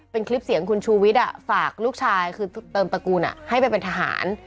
เป็นคลิปเสียงคุณชูวิทย์ฝากลูกชายคือเติมตระกูลให้ไปเป็นทหาร